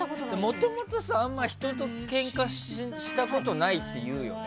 もともと、あまり人とけんかしたことないっていうよね。